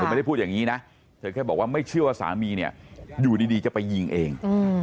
ไม่ได้พูดอย่างนี้นะเธอแค่บอกว่าไม่เชื่อว่าสามีเนี่ยอยู่ดีจะไปยิงเอง